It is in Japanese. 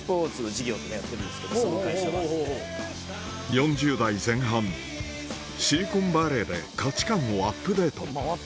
４０代前半シリコンバレーで価値観をアップデート